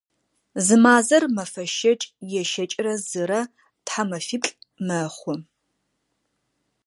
Зы мазэр мэфэ щэкӏ е щэкӏырэ зырэ, тхьэмэфиплӏ мэхъу.